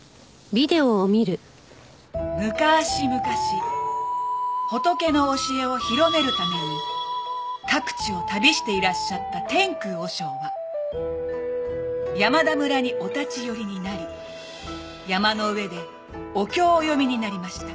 「昔々仏の教えを広めるために各地を旅していらっしゃった天空和尚は山田村にお立ち寄りになり山の上でお経をお読みになりました」